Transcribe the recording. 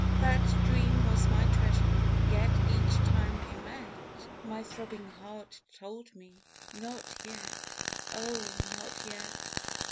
That dream was my treasure—yet each time we met My throbbing heart told me: not yet, oh, not yet!